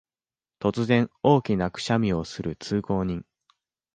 突然、大きなくしゃみをする通行人